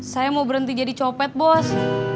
saya mau berhenti jadi copet bos